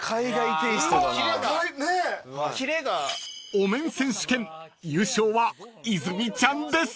［お面選手権優勝は泉ちゃんです］